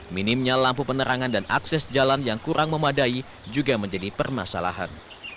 minimnya lampu penerangan dan akses jalan yang kurang memadai juga menjadi permasalahan